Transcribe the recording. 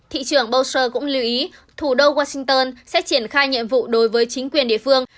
thị trường boucher cũng lưu ý thủ đô washington sẽ triển khai nhiệm vụ đối với chính quyền địa phương